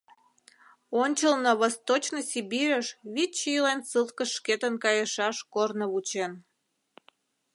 Ончылно Восточный Сибирьыш вич ийлан ссылкыш шкетын кайышаш корно вучен.